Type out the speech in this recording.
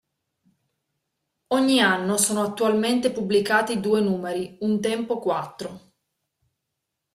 Ogni anno sono attualmente pubblicati due numeri, un tempo quattro.